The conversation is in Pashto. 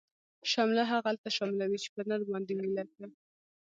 شمله هغلته شمله وی، چی په نر باندی وی لکه